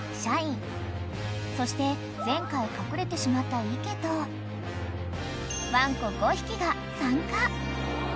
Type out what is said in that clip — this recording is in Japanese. ［そして前回隠れてしまったイケとワンコ５匹が参加］